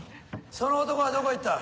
その男はどこへ行った？